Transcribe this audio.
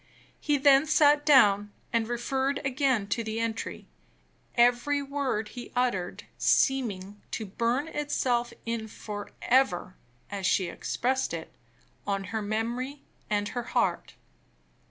He then sat down, and referred again to the entry, every word he uttered seeming to burn itself in forever (as she expressed it) on her memory and her heart.